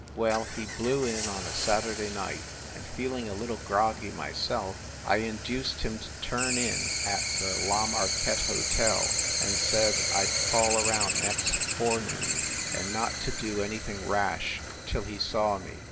Well, he blew in on a Saturday night, and, feeling a little groggy myself, I induced him to turn in at "the La Marquette Hotel, and said I d call around next forenoon, and not to do anything rash till he saw me.